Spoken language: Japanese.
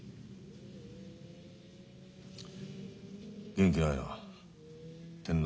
元気ないな。